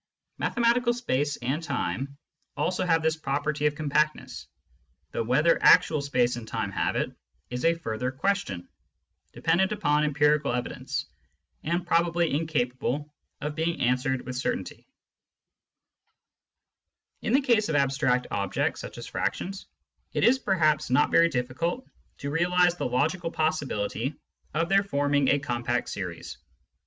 Mathematical space and time also have this property of compactness, though whether actual space and time have it is a further question, dependent upon empirical evidence, and probably incapable of being answered with certainty. Digitized by Google THE THEORY OF CONTINUITY 133 In the case of abstract objects such as fractions, it is perhaps not very difficult to realise the logical possibility of their forming a compact scries.